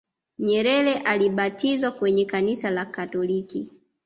nyerere alibatizwa kwenye kanisa la katoliki